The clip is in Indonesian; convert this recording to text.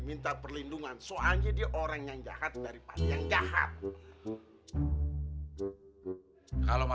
minta perlindungan juga sama si sulam